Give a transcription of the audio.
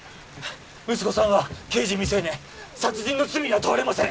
息子さんは刑事未成年殺人の罪には問われません